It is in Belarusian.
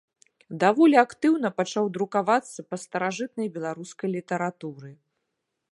Даволі актыўна пачаў друкавацца па старажытнай беларускай літаратуры.